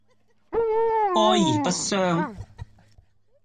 哀而不傷